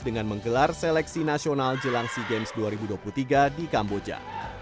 dengan menggelar seleksi nasional jelang sea games dua ribu dua puluh tiga di kamboja